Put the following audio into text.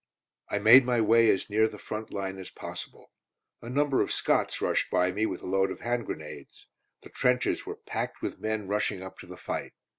I made my way as near the front line as possible. A number of Scots rushed by me with a load of hand grenades. The trenches were packed with men rushing up to the fight.